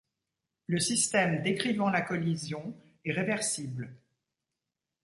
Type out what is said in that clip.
Le système décrivant la collision est réversible.